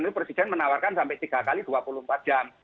itu presiden menawarkan sampai tiga x dua puluh empat jam